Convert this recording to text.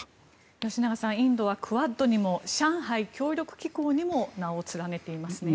吉永さん、インドはクアッドにも上海協力機構にも名を連ねていますね。